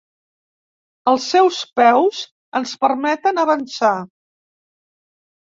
Els seus peus ens permeten avançar.